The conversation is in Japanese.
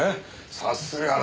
さすがだ。